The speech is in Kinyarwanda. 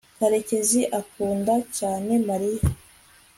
karekezi akunda cyane mariya